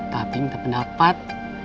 tapi minta pendapat